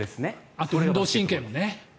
あと運動神経もね。